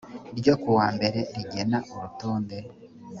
ryo ku wa mbere rigena urutonde